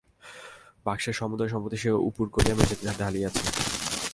বাক্সের সমুদয় সম্পত্তি সে উপুড় করিয়া মেঝেতে ঢালিয়াছে।